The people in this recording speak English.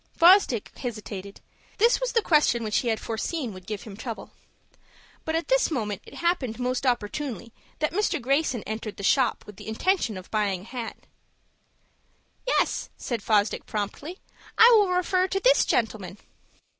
Fosdick hesitated. This was the question which he had foreseen would give him trouble. But at this moment it happened most opportunely that Mr. Greyson entered the shop with the intention of buying a hat. "Yes," said Fosdick, promptly; "I will refer to this gentleman."